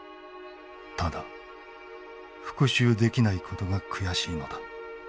ただ復讐できないことが悔しいのだ。